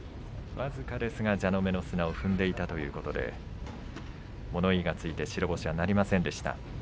僅かですが蛇の目の砂を踏んでいたということで物言いがついて白星はなりませんでした。